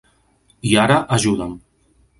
I ara ajuda'm.